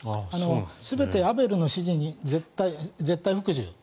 全てアベルの指示に絶対服従